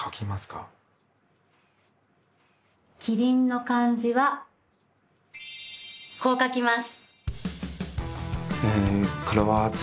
「キリン」の漢字はこう書きます。